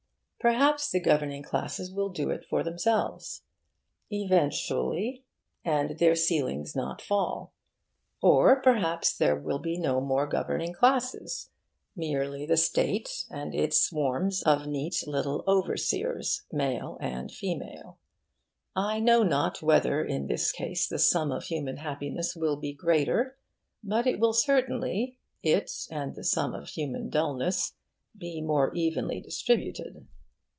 Perhaps the governing classes will do it for themselves, eventually, and their ceilings not fall. Or perhaps there will be no more governing classes merely the State and its swarms of neat little overseers, male and female. I know not whether in this case the sum of human happiness will be greater, but it will certainly it and the sum of human dullness be more evenly distributed.